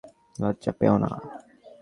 লজ্জা পেও না।